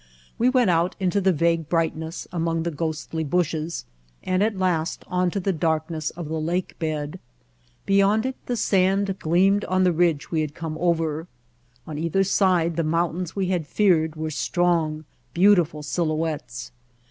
We went out into the vague brightness among the ghostly bushes, and at last onto the darkness of the lake bed. Beyond it the sand gleamed on the ridge we had come over. On either side the mountains we had feared were strong, beautiful silhouettes.